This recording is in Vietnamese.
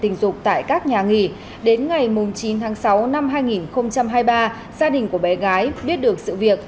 tình dục tại các nhà nghỉ đến ngày chín tháng sáu năm hai nghìn hai mươi ba gia đình của bé gái biết được sự việc